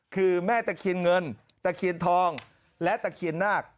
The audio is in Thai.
คือแม่ตะเคียนเงินตะเคียนทองและตะเคียนนาค